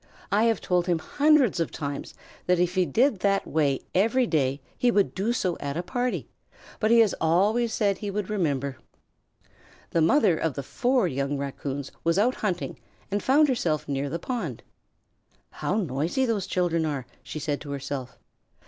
"I have told him hundreds of times that if he did that way every day he would do so at a party, but he has always said he would remember." The mother of the four young Raccoons was out hunting and found herself near the pond. "How noisy those children are!" she said to herself.